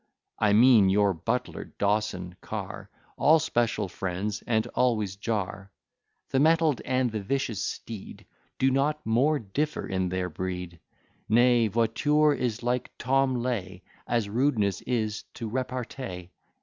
I mean your butler, Dawson, Car, All special friends, and always jar. The mettled and the vicious steed Do not more differ in their breed, Nay, Voiture is as like Tom Leigh, As rudeness is to repartee.